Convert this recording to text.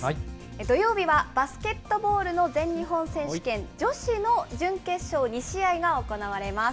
土曜日はバスケットボールの全日本選手権女子の準決勝２試合が行われます。